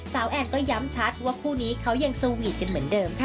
แอนก็ย้ำชัดว่าคู่นี้เขายังสวีทกันเหมือนเดิมค่ะ